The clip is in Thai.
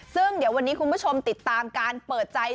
ซึ่งเดี๋ยววันนี้คุณผู้ชมติดตามการเปิดใจ